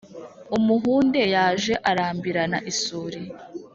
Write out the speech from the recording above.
Umuhunde yaje arambirana isuri